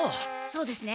そうですね。